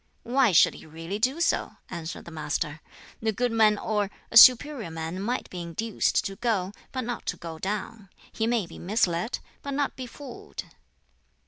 "Why should he really do so?" answered the Master. "The good man or, a superior man might be induced to go, but not to go down. He may be misled, but not befooled."